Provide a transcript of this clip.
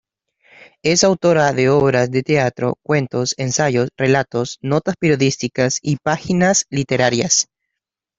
Es autora de obras de teatro, cuentos, ensayos, relatos, notas periodísticas y páginas literarias.